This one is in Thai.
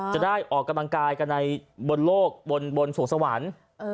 จะได้ออกกำลังกายกันในบนโลกบนสวงสวรรค์